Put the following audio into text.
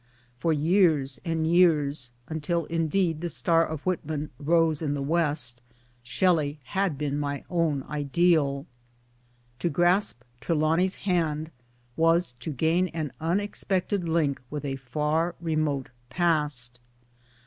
For years and years until indeed the star of Whitman rose in the West Shelley had been my own ideal. To grasp Trelawny 's hand was to gain an unexpected link with a far remote past.